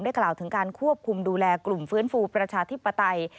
กล่าวถึงการควบคุมดูแลกลุ่มฟื้นฟูประชาธิปไตย